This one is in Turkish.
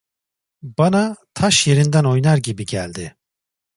Bana, taş yerinden oynar gibi geldi.